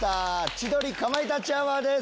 『千鳥かまいたちアワー』です。